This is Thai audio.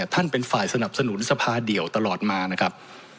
ท่านเป็นฝ่ายสนับสนุนสภาเดี่ยวตลอดมานะครับ